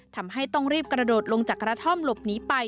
ทำให้ต้องรีบกระโดดลงจากกระท่อมหลบหนีไป